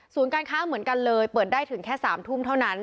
การค้าเหมือนกันเลยเปิดได้ถึงแค่๓ทุ่มเท่านั้น